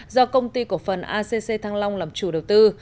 do công ty cổ phần acc thăng long làm chủ đầu tư